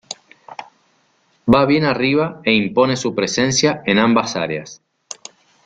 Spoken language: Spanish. Va bien arriba e impone su presencia en ambas áreas.